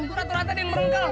urat uratnya dia yang merengkel